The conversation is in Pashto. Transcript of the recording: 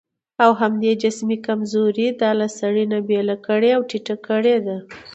او همدې جسمي کمزورۍ دا له سړي نه بېله کړې او ټيټه کړې ده.